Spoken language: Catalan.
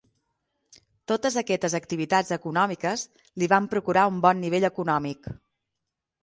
Totes aquestes activitats econòmiques li van procurar un bon nivell econòmic.